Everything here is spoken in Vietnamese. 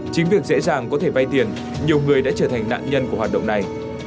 chính việc dễ dàng có thể vay tiền nhiều người đã trở thành nạn nhân của hoạt động này